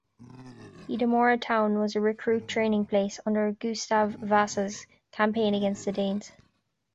Hedemora town was a recruit training place under Gustav Vasa's campaign against the Danes.